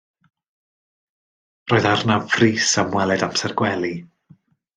Yr oedd arnaf frys am weled amser gwely.